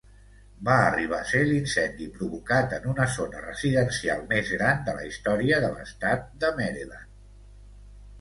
Va arribar a ser l'incendi provocat en una zona residencial més gran de la història de l'estat de Maryland.